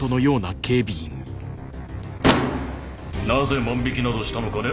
なぜ万引きなどしたのかね？